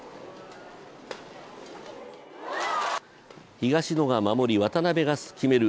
東野が守り、渡辺が決める